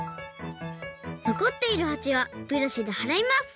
のこっているはちはブラシではらいます。